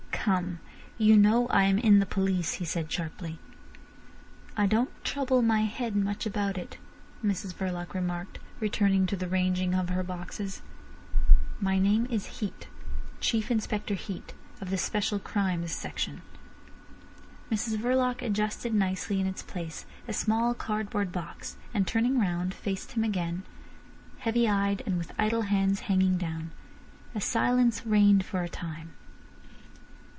"Come! You know I am in the police," he said sharply. "I don't trouble my head much about it," Mrs Verloc remarked, returning to the ranging of her boxes. "My name is Heat. Chief Inspector Heat of the Special Crimes section." Mrs Verloc adjusted nicely in its place a small cardboard box, and turning round, faced him again, heavy eyed, with idle hands hanging down. A silence reigned for a time.